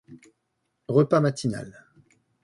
Repas matinal.